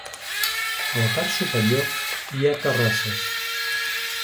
A la part superior hi ha terrasses.